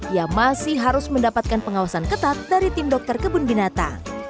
ia masih harus mendapatkan pengawasan ketat dari tim dokter kebun binata